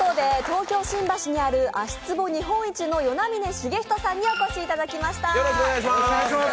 東京・新橋にある足つぼ日本一の與那嶺茂人さんにお越しいただきました。